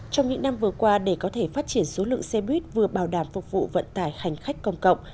trong những năm vừa qua để có thể phát triển số lượng xe buýt vừa bảo đảm phục vụ vận tải hành khách công cộng